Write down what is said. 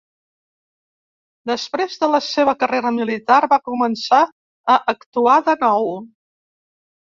Després de la seva carrera militar va començar a actuar de nou.